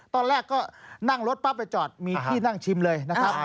ตอนแรกก็นั่งรถปั๊บไปจอดมีที่นั่งชิมเลยนะครับ